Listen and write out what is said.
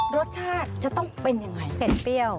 รสชาติจะต้องเป็นอย่างไร